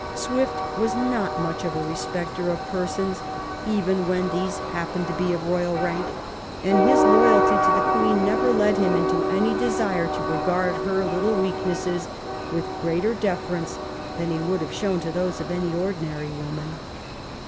Swift was not much of a respecter of persons, even when these hap pened to be of royal rank, and his loyalty to the Queen never led him into any desire to regard her little weaknesses with greater deference than he would have shown to those of any ordinary woman.